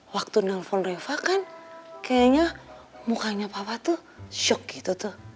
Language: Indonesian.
waktu nelfon reva kan kayaknya mukanya papa tuh shock gitu tuh